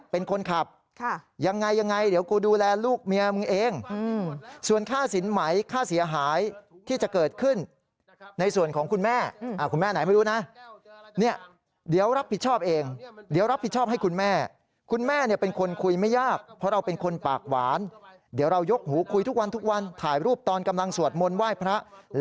เป็นคนขับยังไงยังไงเดี๋ยวกูดูแลลูกเมียมึงเองส่วนค่าสินไหมค่าเสียหายที่จะเกิดขึ้นในส่วนของคุณแม่คุณแม่ไหนไม่รู้นะเนี่ยเดี๋ยวรับผิดชอบเองเดี๋ยวรับผิดชอบให้คุณแม่คุณแม่เนี่ยเป็นคนคุยไม่ยากเพราะเราเป็นคนปากหวานเดี๋ยวเรายกหูคุยทุกวันทุกวันถ่ายรูปตอนกำลังสวดมนต์ไหว้พระ